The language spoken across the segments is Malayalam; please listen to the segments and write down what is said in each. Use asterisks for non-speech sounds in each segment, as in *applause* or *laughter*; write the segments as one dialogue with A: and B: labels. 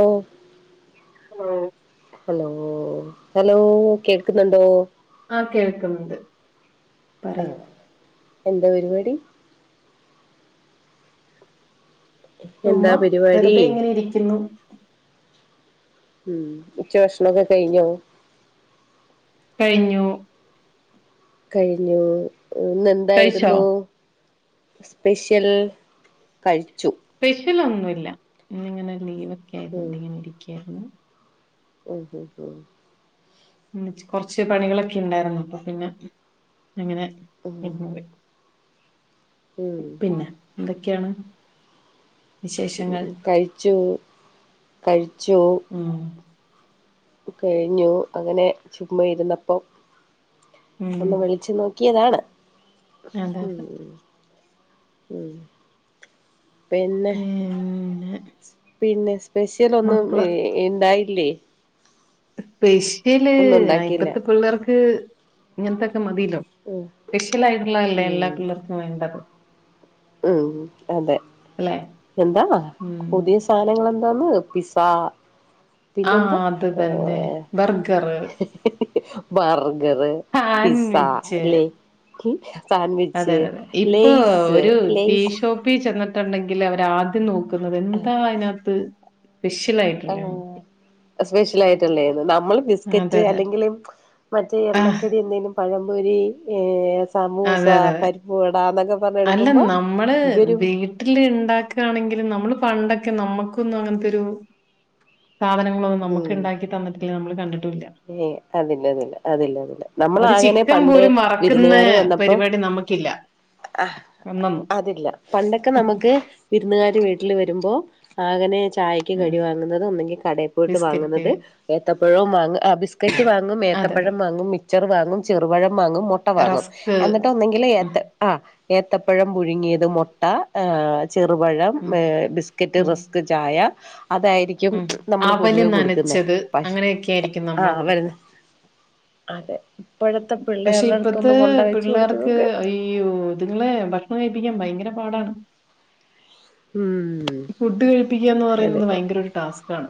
A: ഓ
B: ആ
A: ഹലോ ഹലോ കേൾക്കുന്നുണ്ടോ
B: ആ കേൾക്കുന്ന്ണ്ട്
A: ആ എന്താ പരിപാടി
B: ചുമ്മ
A: എന്താ പരിപാടി
B: വെറുതെ ഇങ്ങനെ ഇരിക്കുന്നു
A: ഉം ഉച്ച ഭക്ഷണമൊക്കെ കഴിഞ്ഞോ
B: കഴിഞ്ഞു
A: കഴിഞ്ഞു ഇന്ന്
B: കഴിച്ചോ
A: എന്തായിരുന്നു സ്പെഷ്യൽ കഴിച്ചു
B: സ്പെഷ്യൽ ഒന്നുംഇല്ല ഇന്നിങ്ങനെ ലീവ ആതൊണ്ടങ്ങനെ ഇരിക്കുകയായിരുന്നു
A: ഹ്ഹ്ഹ്
B: കൊറച്ച് പണികളൊക്കെ ഉണ്ടായിരുന്നു അപ്പൊ പിന്നെ അങ്ങനെ
A: ഉം
B: *unintelligible*
A: ഉം
B: പിന്നെ എന്തൊ ക്കയാണ
A: ഉം കഴിച്ചു കഴിച്ചു
B: ഉം
A: കഴിഞ്ഞു അങ്ങനെ ചുമ്മാ ഇരുന്നപ്പം
B: ഉം
A: ഒന്ന് വിളിച്ചു നോക്കി ക്കിയതാണ്
B: അതെ
A: ഉം
B: അതെ
A: ഉം പിന്നെ
B: പിന്നെ
A: പിന്നെ സ്പെഷ്യൽ ഒന്നും ഉണ്ടായില്ലേ
B: പേശ് ഏല്
A: ഒന്നും ഉണ്ടാക്കിയില്ല
B: ഇപ്പത്തുപിള്ളേർക്ക് ത് ഇങ്ങനത്തെ മതില്ലോ
A: ഉം
B: സ്പെഷ്യൽ ആയിട്ടുള്ളതല്ലേ എല്ലാ
A: ഉം
B: പിള്ളേർക്കും വേണ്ടത്
A: ഉം അതെ
B: അല്ലെ
A: എന്താ
B: ഉം
A: പുതിയ സാധനങ്ങള് എന്തോന്ന് പിസാ
B: ആ
A: പിന്നെന്താ
B: അത്
A: ഏ
B: തന്നെ ബർഗർ
A: ബർഗറ് പിസ്സ ല്ലേ കി
B: അതെതെ ഇപ്പൊ ഒരു
A: ലേയ്സ്
B: ഈഷോപ്പി ചെന്ന്ട്ട്ണ്ടെങ്കിൽ അവര് ആദ്യം നോ ന്നത് എന്താ അയ്നകത്ത് സ്പെഷ്യലായിട്ടില്ലേ
A: സ്പെഷ്യലായിട്ട്ള്ളേത് മ്മൾ ബിസ്ക്കറ്റ്
B: അതെ
A: അല്ലെങ്കില മറ്റേ
B: ആ,
A: എണ്ണക്കടി എന്തേങ്കിലും പഴം പൊരി ഏ അസ് സമൂസ
B: അതെ അതെ അതെ
A: പരിപ്പുവട അതൊ
B: അല്ല നമ്മള് വീട്ടില് ണ്ടാക്കണെങ്കിലും നമ്മള് പണ്ടൊ ക്ക് നമ്മുക്കൊന്നും അങ്ങൻത്തൊരു സാധനങ്ങളൊന്നും നമ്മുക്ക് ണ്ടാക്കി തന്നിട്ടില്ല നമ്മള് കണ്ട്
A: ഏ അതില്ല അതില്ല അതില്ലതില്ല
B: ഒരു
A: നമ്മളാങ്ങനെ
B: ചിക്കൻ
A: പണ്ട്
B: പോലും വറക്കുന്ന
A: വിരുന്നുകാര് വന്നപ്പോ
B: പരിപാടി നമുക്കില്ല
A: അ
B: ഒന്നൊന്നും
A: അതില്ല പണ്ടൊക്കെ നമുക്ക് വിർന്നുകാ വീട്ടിൽ വരുമ്പോ അങ്ങനെചെ ചായയ്ക്ക് കടി വാങ്ങുന്നത് ഒന്നെങ്കിൽ കടയി പോയിട്ട്
B: ബിസ്ക്കറ്റ്
A: വാങ്ങുന്നത് ഏത്തപ്പയോം വാ ആ ബിസ്ക്കറ്റ് വാങ്ങും
B: അതെ അതെ
A: ഏത്തപ്പഴം വാങ്ങും മിക്ക ച്ചർ വാങ്ങു ചെറുപഴം വാങ്ങും മുട്ട വാങ്ങും
B: റസ്ക്
A: എന്നിട്ട് ഒന്നെങ്കിലിൽ
B: ഉം,
A: ഏത്ത ആ ഏത്തപ്പഴം പുഴുങ്ങിയത്, മൊട്ട അ ചെറുപഴം,
B: ഉം,
A: ബിസ്ക്കറ്റ്,
B: ഉം,
A: റസ്ക്, ചായ അതായിരിക്കും
B: ഉം.
A: നമ്മൾ
B: അവല്
A: പൊതുവേ കൊടുക്കുന്നെ
B: നനച്ചത്
A: പക്ഷ
B: അങ്ങനെയൊക്കെ ആയിരിക്കും നമ്മൾ കൊടുക്ക
A: അതെ ഇപ്പോഴത്തെ
B: പക്ഷെ
A: പിള്ളേരുടെ
B: ഇപ്പത്തെ
A: അടുത്തൊന്ന് കൊണ്ട വെച്ച് കൊടുത്ത്
B: പിള്ളേർക്ക്
A: നോക്ക്
B: അയ്യോ ഇതുങ്ങളെ ഭക്ഷണം കഴിപ്പിക്കാൻ ഭയ ങ്കര പാടാണ്
A: ഉം
B: ഫുഡ് കഴിപ്പിക്കുകന്ന്
A: അതെ
B: പറയുന്നത് ഭയങ്കരൊരു സ്കാണ്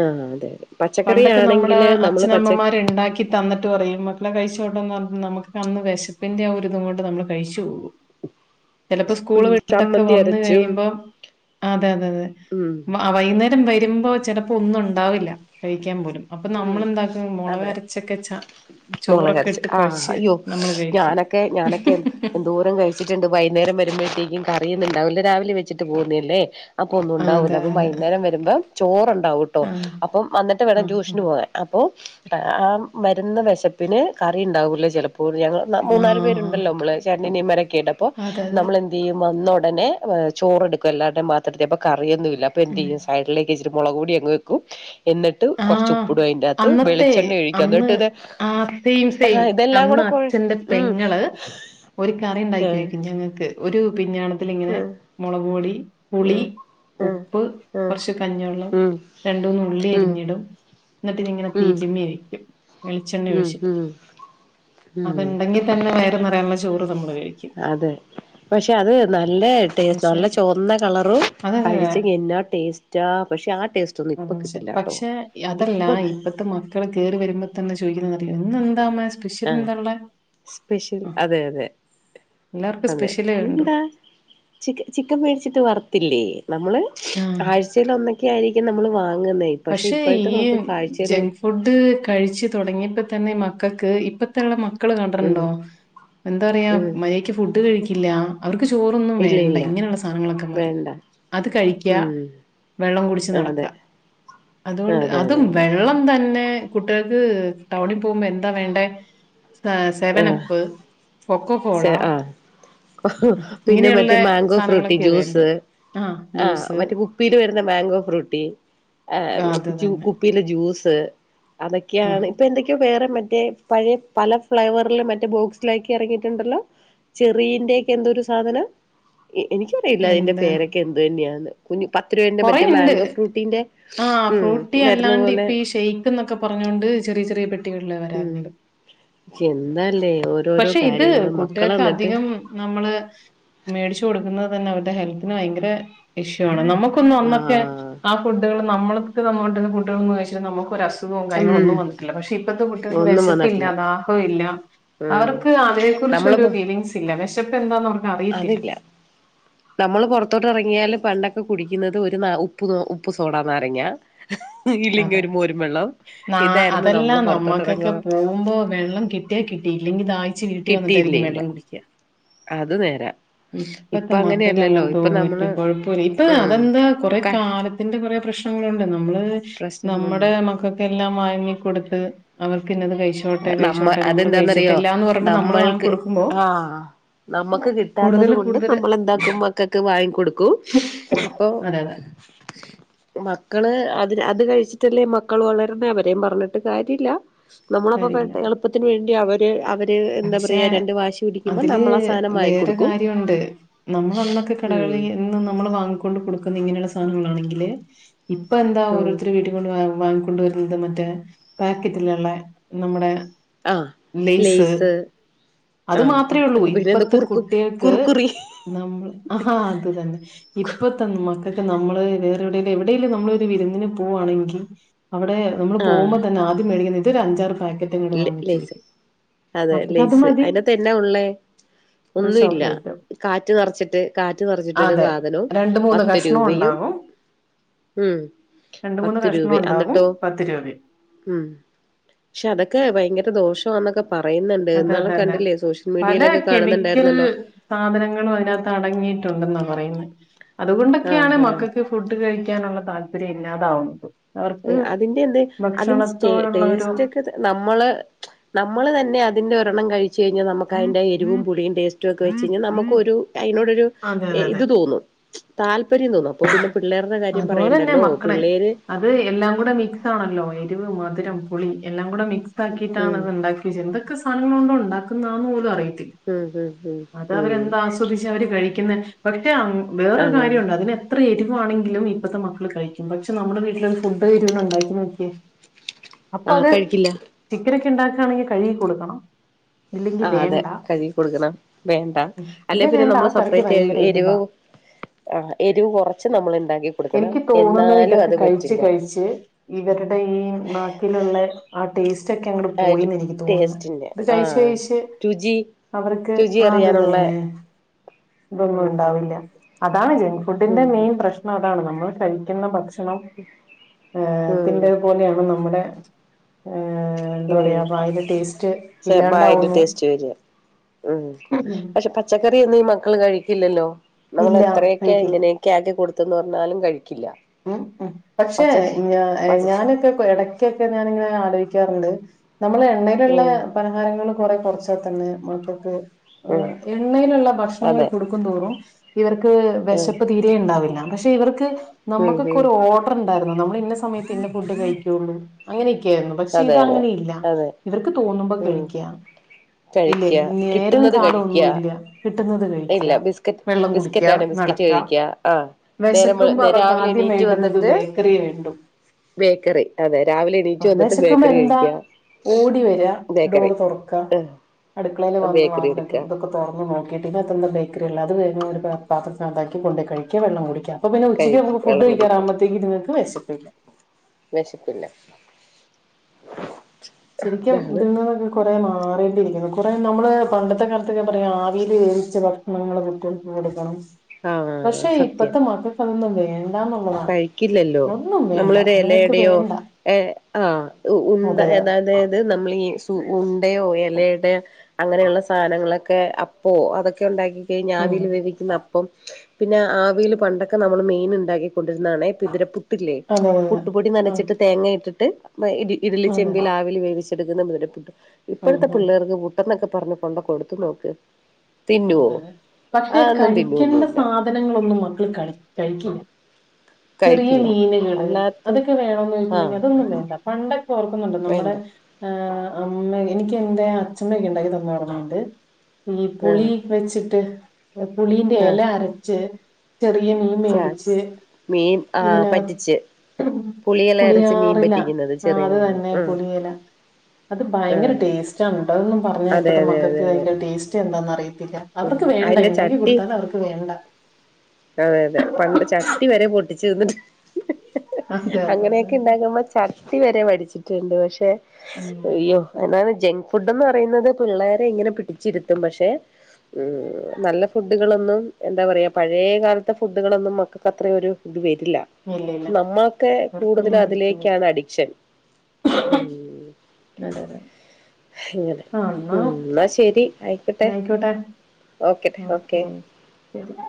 A: ആഹ് അതെ അതെ പച്ചക്കറി
B: പണ്ടൊക്കെ നമ്മുടെ
A: ആണെങ്കില് നമ്മള് പച്ച
B: അച്ഛനമ്മമാരുണ്ടാക്കി തന്നിട്ട് പറയും മക്കളെ കഴിച്ചോട്ടന്നർ നമുക്ക് കന്ന് വിശപ്പിന്റെ ആ ഒരുരിതം കൊണ്ട് നമ്മൾ കഴിച്ചു പോകും ചിലപ്പോ
A: ഉം
B: സ്കൂള് വിട്ടൊക്കെ
A: ചമ്മന്തി
B: വന്ന്
A: അരച്ചും
B: കഴിയുമ്പം അതെ അതെ അതെ
A: ഉം
B: വൈകുന്നേരം വരുമ്പോ ചിലപ്പോ ഒന്നും ഉണ്ടാവില്ല കഴിക്കാൻ പോലും അപ്പൊ
A: ഉം
B: നമ്മൾെന്താക്കും മുളക്കൊക്കെ
A: അതെ
B: അരച്ച് ചോറൊക്കെ
A: മുളകരച്ച്
B: ഇട്ട്
A: ആഹ്
B: കുഴച്ച്
A: അയ്യോ
B: നമ്മള് കഴിക്കും
A: വെച്ചിട്ടുണ്ട് വൈകുന്നേരം വരുമ്പോഴത്തേക്കും കറിയുന്നുണ്ടാവില്ല രാവിലെ വച്ചിട്ട് പോകുന്ന അല്ലേ അപ്പോൾ ഒന്നും
B: ആ,
A: ഉണ്ടാവില്ല
B: അതെ
A: അപ്പോൾ വൈകുന്നേരം വരുമ്പോം ചോറ്
B: ആഹ്
A: അപ്പൊ വന്നിട്ട്
B: ആഹ്
A: വേണം ട്യൂഷൻ *unintelligible*
B: ആഹ്
A: വിടാൻ അപ്പോൊ ആ മരുന്ന വിശപ്പിന് കറി ഉണ്ടാവൂലേ ചിലപ്പോൂർ ഞങ്ങൾ മൂന്നാല്
B: ആഹ്
A: പേരുണ്ടല്ലോ നമ്മള് ചണിനീമരൊക്കെ ഇട്ട അപ്പോൊ
B: അതെ അതെ
A: നമ്മൾ എന്ത് ചെയ്യും വന്ന ചോറെടുക്കും എല്ലാരുടെ മാ
B: ഉം
A: *unintelligible* മുളക്കൊടി അങ്ങ് വെക്കും എന്നിട്ട് കുറച്ച്
B: ആഹ്
A: ഉപ്പിടും അതിന്റകത്ത്
B: അന്നത്തെ
A: വെളിച്ചെണ്ണ ഒഴിക്കും
B: അന്ന്
A: എന്നിട്ട് ഇത്
B: ആ സെയിം
A: ആഹാ
B: സെയിം
A: ഇതെല്ലാം
B: അന്ന്
A: കൂടെ കൊഴ
B: അച്ഛന്റെ
A: ഉം
B: പെങ്ങള് ഒരു കറി
A: ഏഹ്
B: ഉണ്ടാക്കോിക്കും ഞങ്ങൾക്ക് ഒരു പിന്നയാണത്തി ഇങ്ങനെ
A: ഉം
B: മുളക്പൊളി പുളി
A: ഉം ഉം
B: ഉപ്പ്
A: ഉം
B: കുറച്ച് കഞ്ഞെള്ളം
A: ഉം
B: രണ്ടൂ ഉള്ളി
A: ഉം
B: പിന്നിടും എന്നിട്ടി ഇങ്ങനെ തീ
A: ഉം
B: ചമ്മിഴക്കും വെളിച്ചെണ്ണി
A: ഉം
B: ഒഴിച്ചിട്ട്
A: ഉം ഉം
B: അത്ണ്ടെങ്കി തന്നെ വയറുനിറയും *inaudible*
A: അതെ പക്ഷെ അത് നല്ല ടേസ്റ്റ്
B: പക്ഷെ
A: നല്ല ചുവന്ന കളറ
B: അതല്ല
A: കഴിച്ചന്ന ടേസ്റ്റ പക്ഷെ *unintelligible* കിട്ടില്ലാട്ടോ
B: പക്ഷെ അതല്ല
A: ഇപ്പൊ
B: ഇപ്പത്തെ മക്കള് കേയറി വരുമ്പോ തന്നെ ചോദിക്കുന്നറിയ ഒ എന്താണ്
A: ആ സ്പെഷ്യൽ അതെ അതെ
B: എല്ലാവർക്കും സ്പെഷ്യലേ ഉണ്ടോ
A: അതെെന്താ ചിക്കൻ മേടിച്ചിട്ട് വറത്ത *inaudible* നമ്മള് ആഴ്ചൽൊന്ന ഒക്ക ആയിരിക്കും നമ്മൾ വാങ്ങ
B: പക്ഷെ ഈ
A: ഒന്ന്
B: ജങ്ക് ഫുഡ് കഴിച്ചു തുടങ്ങിയപ്പോ തന്നെ മ മക്കൾക്ക് ഇപ്പഴത്തുള്ള മ *unintelligible* ക്കൾ മ
A: ഉം
B: കണ്ടിുോ എന്താ പറയാ
A: ഉം
B: മാറിയത്തേക്ക് ഫുഡ് ഇല്ല അവർ നക്ക് ചോറൊന്നും
A: ഇല്ല
B: വേണ്ട
A: ഇല്ല
B: ഇങ്ങനെയുള്ള സാധനങ്ങളൊക്കെ മതി
A: വേണ്ട
B: അത് കഴിക്ക
A: ഉം
B: വെള്ളം കുടിച്ച് നടക്ക
A: അതെ
B: അതുകൊണ്ട്
A: അതെ
B: അതും
A: അതെ അതെ
B: വെള്ളം തന്നെ തന്നെ കുട്ടികൾക്ക് ടൗണിൽ പോകുമ്പോ എന്താ വേണ്ടേ സ സെവനപ്പ് കൊക്കോ കോള
A: ആ പിന്നെ
B: ഇങ്ങനെയുള്ള
A: മറ്റേ മാങ്കോ ഫ്രൂട്ടി
B: സാധനങ്ങളൊക്കെ വേണ്ടു
A: ജ്യൂസ് ആ മറ്റേ കുപ്പിൽ വരുന്ന മാങ്കോ ഫ്രൂട്ടി
B: അത് തന്നെ
A: കുപ്പിയിലെ ജ്യൂസ്
B: ആ
A: അതൊക്കെയാണ് ഇപ്പൊ എന്തൊക്കെയോ വേറെ മറ്റേ പഴയ പല ഫ്ലേവറിൽ മറ്റേ ബോക്സിലാക്കി ഇറക്കിട്ട് ണ്ടല്ലോ ചെറീന്റെക്കെ എന്തോ ഒരു സാധനം എനിക്കറിയില്ല അതിന്റെ പേരൊക്കെ എന്ത് തന്നെയാന്ന് കുഞ്ഞ് പത്ത് രൂപേന്റെ മറ്റേ
B: കൊറെണ്ട്
A: മാങ്കോ ഫ്രൂട്ടീന്റെ
B: ആ
A: ഉം
B: ഫ്രൂട്ടി
A: വരുന്ന
B: അല്ലാണ്ട് ഇപ്പ
A: പോലെ
B: ഈ ഷെയ്ക്ക് എന്നൊക്കെ പറഞ്ഞൊണ്ട് ചെറിയ ചെറിയ പെട്ടികൾ
A: ഉം
B: വരാറുണ്ട്
A: എന്താല്ലേ ഓരോരോ
B: പക്ഷെ ഇത്
A: കാര്യങ്ങള് മക്കള്
B: കുട്ടികൾക്ക്
A: എന്നിട്ട്
B: അധികം നമ്മള് മേടിച്ചു കൊടുക്കുന്നത് അ തന്നെ അവരുടെ ഹെൽത്തിന് ഭയങ്കര ഇഷ്യൂ ആണ് നമുക്ക് അന്നൊക്കെ
A: ആഹ്
B: ആ ഫുഡുകൾ നമ്മൾ കഴിച്ചിട്ട് നമുക്ക് ഒരസുഖവും അുഖവും
A: ഉം
B: കാര്യങ്ങള ഒന്നും വന്നിട്ടില്ല പക്ഷെ ഇപ്പഴത്തെ കുട്ടികക്ക്
A: ഒന്നും
B: വിശപ്പില്ല
A: വന്നിട്ടില്ല
B: ദാഹവും ഇല്ല
A: ഉം
B: അവർക്ക് അതിനെ കുറിച്ച് ഒരു
A: നമ്മളിപ്പോ
B: ഫീലിങ്സ് ഇല്ല വിശപ്പ് എന്താന്ന് അവർക്ക് അറിയത്തില്ല
A: അതില്ല നമ്മള് പുറത്തോട്ട് ഇറങ്ങിയാല് പണ്ടൊക്കെ കുടിക്കുന്നത് ഒരു ന ഉപ്പു ഉപ്പു സോഡാ നാരങ്ങ ഇല്ലെങ്കി
B: അതെ
A: ഒരു മോരും വെള്ളം
B: ന
A: ഇതായിരുന്നു നമ്മള്
B: അതെല്ലാം
A: പുറത്തോട്ട്
B: നമ്മുക്കൊക്കെ
A: ഇറങ്ങുവ
B: പോകുമ്പോ വെള്ളം കിട്ടിയ കിട്ടി ഇല്ലെങ്കിൽ ദാഹിച്ച് ച്ച് വീട്ടി
A: കിട്ടിയില്ലേ
B: വന്നിട്ടായിരിക്കും
A: ഇല്ല
B: വെള്ളം കുടിക്ക
A: അത് നേരാ
B: ഇപ്പത്തെ
A: ഇപ്പൊ
B: മക്കൾക്ക്
A: അങ്ങനെയല്ലല്ലോ
B: അങ്ങനെത്തെ
A: ഇപ്പൊ
B: ഒരു
A: നമ്മള്
B: കൊഴപ്പോം ഇല്ല ഇപ്പ
A: ഉം
B: അതെന്താ കൊറെ
A: ക
B: കാലത്തിന്റെ കൊറെ പ്രശ്ന നങ്ങളുണ്ട് നമ്മള്
A: പ്രശ്നങ്ങളുണ്ട്
B: നമ്മുടെ മക്കക്കൊ ല്ലാം വാങ്ങി കൊടുത്ത് അവർക്ക് ഇന്നത് കഴിച്ചോട്ടെ
A: നമ്മ
B: കഴിച്ചോട്ടെ നമ്മൾ
A: അതെന്താന്നറിയോ
B: കഴിച്ചിട്ടില്ല എന്ന് പറഞ്ഞിട്ട് നമ്മൾ
A: നമ്മൾക്ക്
B: വാങ്ങിക്കൊടുക്കുമ്പോ
A: ആ നമ്മുക്ക്
B: കൂടുതൽ
A: കിട്ടാത്തത് കൊണ്ട്
B: കൂടുതൽ
A: നമ്മൾ എന്താക്കും മക്കൾക്ക് വാങ്ങികൊടുക്കും അപ്പൊ
B: അതെ അതെ
A: മക്കള് അത് അത് കഴിച്ചിട്ടല്ലേ മക്കൾ വളരുന്ന അവരേയും പറഞ്ഞിട്ട് കാര്യമില്ല നമ്മളപ്പോ
B: കാര്യമില്ല.
A: പോയിട് എളുപ്പത്തിന് വേണ്ടി അവര് അവര
B: പക്ഷെ അതില്
A: സാധനം
B: വേറെ
A: വാങ്ങിക്കൊടുക്കും
B: കാര്യവൊണ്ട് നമ്മൾ അന്നൊക്കെ കടകളീ
A: ഉം
B: ന്ന് നമ്മൾ വാങ്ങിക്കൊണ്ട് കൊടുക്കുന്ന ഇങ്ങനെയുള്ള സാ സാധനങ്ങളാണെങ്കില് ഇപ്പൊ എന്താ
A: ഉം
B: ഒരോരുത്തര് വീട്ടി കൊണ്ട് വാ വാങ് കൊണ്ടുവരുന്നത് മറ്റേ പാക്കറ്റിലുള്ള നമ്മുടെ
A: ആ
B: ലേസ്
A: ലെയ്സ്
B: അത് മാത്രേ
A: ആഹ്
B: ഉള്ളൂ
A: പിന്നെന്താ
B: ഇപ്പത്തെ
A: കുറുക്കു
B: കുട്ടിയെക്ക്
A: കുറുക്കുറി
B: നമ്മൾ ആ അത് തന്നെ ഇപ്പത്തെ മക് ക്കക്ക് നമ്മള് വേറെവിടെലും എവിടെങ്കിലും നമ്മള് ഒരു വിരുന്നിന് പോവാണെങ്കി അവിടെ നമ്മള്
A: ആഹ്
B: പോകുമ്പോ തന്നെ ആദ്യം മേടിക്കുന്ന ഇത് ഇതൊരു അഞ്ചാറ് പായ്ക്ക റ്റ് ങ്ങട് വാങ്ങിച്ച്
A: ലെയ്സ്
B: വെക്കും
A: അതെ
B: മക്കൾക്ക് അത്
A: ലൈസ്
B: മതി
A: അതിനകത്തെന്നാ ഉള്ളേ
B: ഒരു
A: ഒന്നും ഇല്ല
B: ചോക്ലേറ്റ്
A: കാറ്റ് നിറച്ചിട്ട് കാറ്റ് നിറച്ചിട്ടൊരു
B: അതെ
A: സാധനവും
B: രണ്ട് മൂന്ന്
A: പത്ത്
B: കഷ്ണം
A: രൂപയും
B: ഉണ്ടാകും
A: ഉം
B: രണ്ട് മൂന്ന്
A: പത്ത്
B: കഷ്ണം
A: രൂപയും
B: ഉണ്ടാകും
A: അന്നിട്ടോ
B: പത്ത് രൂപയും
A: ഉം പക്ഷെ അതൊക് ക്കെ ഭയങ്കര ദോഷവാന്നൊക്കെ
B: അതെ അതെ അതെ പല
A: മീഡിയയിലൊക്കെ
B: കെമിക്കൽ
A: കാണുന്നുണ്ടായിരുന്നല്ലോ
B: സാധനങ്ങളും അതിനകത്ത് അടങ്ങിയിട്ടുണ്ടെന്നാ പറയുന്നെ അതുകൊണ്ടൊക്കെയാണ്
A: ആഹ് ആഹ്
B: മക്കക്ക് ഫുഡ് കഴിക്ക് ക്കാനുള്ള താല്പര്യം ഇല്ലാതാവുന്നത് അവർക്ക്
A: അതിന്റെ എന്ത് അതി
B: ഭക്ഷണത്തോടുള്ള ഒരു
A: ടേസ്റ്റ് ഒക്കെ നമ്മള് നമ്മള് തന്നെ അത് തിന്റെ ഒരെണ്ണം കഴിച്ച ച്ച് കഴിഞ്ഞാ നമുക്ക്‌ അയിന്റെ എരിവും പുളിയും ടേസ്റ്റുവൊക്കെ വെച്ച് കഴിഞ്ഞാ നമുക്കു ഒരു അതിനോടൊരു
B: അതെ അതെ
A: എയ്
B: അതെ
A: ഇത് തോന്നും താല്പര്യം തോന്നും അപ്പൊ പിന്നെ പിള്ളേരുടെ കാര്യം
B: അതുപോലെ
A: പറയെണ്ടല്ലോ പിള്ളേര്
B: കുടെ മിക്സ് ആണല്ലോ എരിവ് മധുരം പുളി എല്ലാം കൂടെ മിക്സ്
A: ഉം
B: ക്സാക്കിട്ടാണല്ലോ ണ്ടാക്കിവേച്ച് എന്തൊക്കെ സാധനങ്ങളോണ്ടാ ഉണ്ടാക്കുന്ന *unintelligible* തി
A: ഉം ഉം ഉം ഉം
B: അത്അവരെന്താസ്വദിച്ചാ അവര് കഴിക്കുന്നെ പക്ഷെ അ വേറൊരു
A: അതെ
B: കാര്യണ്ട് അതിനെത്ര എര് ങ്കിലും ഇപ്പത്തെ മക്കള് കഴിക്കും പക്ഷെ നമ്മുടെ വീട്ടിലത് *unintelligible* ഉണ്ടാക്കി നോക്കിയേ
A: ആ
B: അപ്പൊ അത്
A: കഴിക്കില്ല
B: ചിക്കന് ണ്ടാക്കാനെങ്ങി കഴുകി കൊടുക്കണം
A: ആ
B: ഇല്ലെങ്കിൽ
A: അതെ
B: വേണ്ട
A: കഴുകി കൊടുക്കണം വേണ്ട അല്ലെ
B: ഇല്ലേ
A: പിന്നെ
B: വേണ്ട ആ
A: നമ്മള്
B: കറിക്ക്
A: സെപ്പറേറ്റ്
B: ഭയങ്കര
A: എരിവ്
B: എരിവാ
A: ആ എരിവ് കുറച്ച് നമ്മൾ ഉണ്ടാക്കി കൊടുക്കണം
B: എനിക്ക് തോന്നുന്നത്
A: എന്നാലും
B: ഇതൊക്കെ
A: അത്
B: കഴിച്ച്
A: പറ്റില്ല
B: കഴിച്ച് ഇവരുടെ ഈ നാട്ടിലുള്ളെ ആ *unintelligible* ക്കെ അങ്ങട്ട് പോയിന്ന് എനിക്ക് തോന്ന്ന്നേ
A: ടേസ്റ്റിന്റെ
B: ഇത് കഴിച്ച്
A: ആഹ്
B: കഴിച്ച്
A: രുചി
B: അവർക്ക്
A: രുചി
B: ആ അത്
A: അറിയാനുള്ള
B: തന്നെ ഇതൊന്നും
A: ഉം
B: ഉണ്ടാവില്ല താ ജംഗ് ഫുഡിന്റെ
A: ഉം
B: മെയിൻ പ്രശ്നം താണ് നമ്മള് കഴിക്കുന്ന ഭക്ഷ ക്ഷണം
A: ഉം
B: ത്തിന്റെത് പോലെയാണ് ന അതെ
A: മ്മ് ചെ വായിന്റെ
B: ഇല്ലാണ്ടാവുന്നു
A: ടേസ്റ്റ് വര ഉം പക്ഷെ പച്ച ച്ചക്കറി ഒന്നും ഈ മക്കള് കഴിക്കില്ലല്ലോ നമ്മള്
B: ഇല്ല
A: എത്രയൊക്കെ എങ്ങനെയൊക്കെ ആക്കി കൊട് *unintelligible* പറഞ്ഞാലും കഴി
B: മ്മ്-മ്മ് പക്ഷേ ഞ
A: പച്ച
B: ഞാനൊക്കെ എടക്കൊക്കെ ഇങ്ങനെ ആലോയിക്കാറ്ണ്ട് നമ്മള് എണ്ണയില്ള്ളെ
A: ഉം
B: പലഹാരങ്ങളും കൊറെ കൊറച്ച തന്നെ മക്കക്ക് ആ
A: ഉം
B: എണ്ണയിലുള്ള ഭക്ഷണങ്ങള്
A: അതെ
B: കൊടുക്കുന്തോറും ഇവർക്ക് ക്ക്
A: ഉം
B: വെശപ്പ് തീരെ ണ്ടാവില്ല പക്ഷെ ഇവർക്ക്
A: ഉം ഉം
B: നമ്മക്കൊക്കൊര് ഓഡ്റ് ണ്ടാരുന്നു നമ്മള് ഇന്ന സമയത്ത് ഇന്ന ഫുഡ് കഴിക്കോള്ളൂ അങ്ങനെ ക്കെയാര്ന്നു പക്ഷെ
A: അതെ അതെ
B: ഇതങ്ങനെ ഇല്ല
A: അതെ
B: ഇവർക്ക് തോന്നുമ്പോ
A: ഉം
B: കഴിക്കാ ഇല്ലേ
A: കഴിക്ക
B: നേരും
A: കിട്ടുന്നത് കഴിക്ക
B: കാലോന്നൂല്ല്യ.
A: ഇല്ല ബിസ്ക്കറ്റ് ബിസ്കറ്റാണെ ബിസ്ക്കറ്റ്
B: നടക്കുക
A: കഴിക്കാ ആ നേരം വെ നേരം
B: ക്കാദ്യം വേണ്ടുന്നത് ബേക്കറി വേണ്ടൂ
A: ബേക്കറി അതെ രാവിലെ
B: ആ
A: എണീറ്റ് വന്നിട്ട്
B: വെശക്കുമ്പോ
A: ബേക്കറി
B: എന്താ
A: കഴിക്കുക
B: ഓടിവര്യാ
A: ബേക്കറി
B: ഡോറ് തൊറക്കാ
A: ആഹ്
B: അടുക്കളേല് വന്ന്
A: ബേക്കറി
B: വാതിലൊക്കെ
A: എടുക്കുക
B: ഇതൊക്കെ തൊറന്ന് നോക്കീട്ട് ഇതിനാത്ത്ന്താ ബേ ക്കറിയുള്ളെ അത് വേഗമൊരു പ പാത്രത്തിനകത്താക്കി കൊണ്ടോയി കഴിക്കാ വെള്ളം കുടിക്കാ ഇപ്പോ പിന്നെ ഉച്ചയ്ക്ക്
A: കഴിക്കും
B: *unintelligible* ഫുഡ്
A: വെള്ളം കുടിക്കുക
B: കഴിക്കാറാകുമ്പോത്തേക്ക് ഇത്ങ്ങക്ക് വെശപ്പില്ല
A: വിശപ്പില്ല
B: ശരിക്കും
A: ഇതാണ്
B: ഇതിൽ നിന്നൊക്കെ കൊറേ മാ റേണ്ടിരിക്കുന്നു കൊറേ നമ്മള് പണ്ടത്തെ കാലത്തൊക്കെ പറയും ആവിയില് വേവിച്ച ഭക്ഷണങ്ങള് കുട്ടികൾക്ക് കൊടുക്കണം
A: ആഹ്
B: പക്ഷെ
A: സത്യം
B: ഇപ്പത്തെ മക്കക്കതൊന്നും വേ
A: കഴിക്കില്ലല്ലോ
B: വേണ്ട അതുങ്ങൾക്ക്
A: നമ്മളൊരെലയടയോ
B: വേണ്ട
A: ഏ ആഉ ഉ ഉണ്ട
B: അതെ അതെ
A: *unintelligible* ത് നമ്മള് ഈ സു ഉണ്ടയോ എലയട അങ്ങനെയുള്ള സാനങ്ങളൊക് ക്കെ അപ്പോ അതൊക്കെ ഒണ്ടാക്കി
B: ഉം
A: കയിഞ്ഞാവീല് വേവിക്കുന്ന അപ്പം പിന്നെ ആവീല് പണ്ടൊക്കെ നമ്മള് മീൻ ഇണ്ടാക്കി രുന്നാണേ പ്ത്‌ര പുട്ടില്ലേ
B: അതെ അതെ
A: പുട്ടുപൊടി
B: ആ
A: നനച്ചിട്ട് തേങ്ങ ഇട്ടിട്ട് മയ് ഇഡ് ഇഡലി
B: അതെ
A: ചെമ്പില് ആവീല് വേവിച്ച് എട്ക്ക്ന്ന മുതിര പുട്ട്
B: ഉം
A: ഇപ്പോഴത്തെ
B: ഉം
A: പിള്ളേർക്ക് പുട്ടന്നക്കെ പറഞ്ഞ് കൊണ്ട കൊടുത്തു നോക്ക് തിന്നുവോ
B: അതെ പക്ഷെ
A: അതൊന്നും
B: കഴിക്കേണ്ട
A: തിന്നുവൊന്നുമില്ല
B: സാധനങ്ങളൊന്നും വ ക്കള് കഴി കഴിക്കില്ല ചെറിയ
A: കഴിക്കില്ല
B: മീന്കള്
A: അല്ലാത്ത
B: അതക്കെ വേണോന്ന് *unintelligible*
A: ആഹ്
B: അതൊന്നും വേണ്ട പണ്ടക് പ്പൊ ഓർക്കൊന്നുണ്ട് നമ്മടെ
A: വേണ്ട
B: ആ അമ്മ എനിക്കെന്റെ അച്ഛമ്മയൊക്കെ ഇണ്ടാക്കി തന്ന ഓർക്കണുണ്ട്. പുളി
A: ആഹ്
B: വെച്ചിട്ട് പുളീന്റെ എല
A: ആഹ്
B: അരച്ച് ചെറിയ മീൻ
A: ചാസ്
B: മേടിച്ച്
A: മീൻ ആഹ്
B: ഇതിനക
A: പറ്റിച്ച് പുളിയെല്ലാം അരച്ച് മീൻ
B: പുളിയാറില
A: പറ്റിക്കുന്നത്
B: ആഹ്
A: ചെറിയ
B: അത്
A: മീൻ
B: തന്നെ
A: ആഹ്
B: പുളിയെല അത് ഭയങ്കര
A: ആഹ്
B: ടേസ്റ്റ് ആണ്‌ട്ടോ അതൊന്നും പറഞ്ഞാൽ
A: അതെ
B: ഇപ്പത്തെ
A: അതെ അതെ
B: മക്കക്ക്
A: അതെ
B: അതിന്റെ ടേസ്റ്റ് എന്താന് ഇതില്ല
A: ഉം
B: അവർക്ക് വേണ്ട
A: അതിന്റെ
B: ഇണ്ടാക്കി
A: ചട്ടി
B: കൊടുത്താലും അവർക്ക് വേണ്ട
A: അതെ അതെ പണ്ട് ചട്ടി വരെ പൊട്ടി ച്ച് എന്നിട്ട്
B: അതെ അതെ അതെ
A: അങ്ങനയൊക്കെ
B: അതെ
A: ഇണ്ടാക്ക്കുമ്പം ചട്ടി വരെ വടി ച്ചിട്ടുണ്ട് പക്ഷേ
B: ഉം
A: അയ്യോ എന്നാണ് ജങ്ക്സ് ഫുഡ് എന്ന് പറയുന്നത് പിള്ളേരെ ഇങ്ങനെ പിടിച്ചിരുത്തും. പക്ഷെ ഉം നല്ല ഫുഡ്കളൊന്നും എന്താ പറയാ പഴേ കാലത്ത ഫുഡുകളൊന്നും മക്കക്ക് അത്ര ഒരു ഇത് വര് ഇല്ല
B: ഇല്ല ഇല്ല
A: നമ്മക്കേ കൂടുതല്
B: അവർക്കൊന്നും പിടിക്കുന്നില്ല
A: അതിലേക്കാണ് അഡിക്ഷൻ. മ്
B: അതെ അതെ
A: ഇങ്ങനെ
B: ആ
A: മ്
B: എന്നാ
A: ന്നാ ശരി ആയിക്കട്ടെ
B: ആയിക്കോട്ടെ
A: ഓക്കെട്ടെ ഓക്കെ
B: ശരി